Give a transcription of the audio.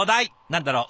何だろう。